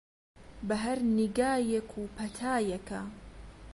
بە هەر نیگایەک و پەتایەکە